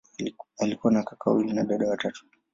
Alikuwa na kaka wawili na dada watatu.